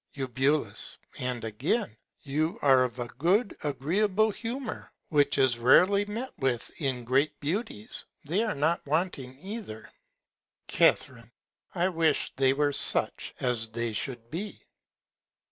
Eu. And again, you are of a good agreeable Humour, which is rarely met with in great Beauties, they are not wanting neither. Ca. I wish they were such as they should be.